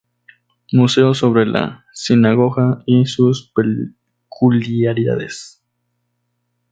Museos sobre la sinagoga y sus peculiaridades